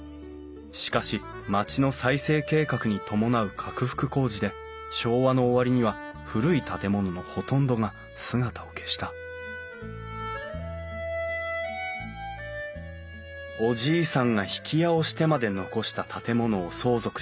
しかし町の再生計画に伴う拡幅工事で昭和の終わりには古い建物のほとんどが姿を消したおじいさんが曳家をしてまで残した建物を相続した後藤さん。